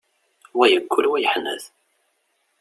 Wa yeggul, wa yeḥnet.